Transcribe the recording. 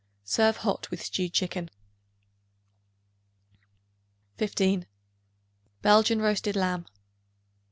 Serve hot with stewed chicken. 15. Belgian Roast Lamb.